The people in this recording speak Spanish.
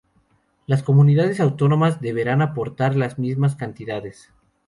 Las comunidades autónomas deberán aportar las mismas cantidades.